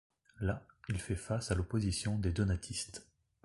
Là, il fait face à l’opposition des donatistes.